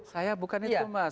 saya bukan itu mas